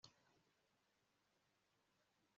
urubura rungana iki, mama